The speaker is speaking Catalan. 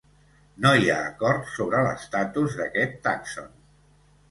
No hi ha acord sobre l'estatus d'aquest tàxon.